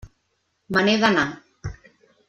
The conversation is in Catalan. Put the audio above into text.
Me n'he d'anar.